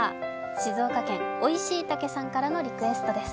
静岡県、おいしいたけさんからのリクエストです。